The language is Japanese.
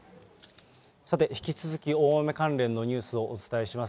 さて引き続き、大雨関連のニュースをお伝えします。